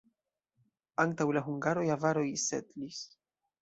Antaŭ la hungaroj avaroj setlis.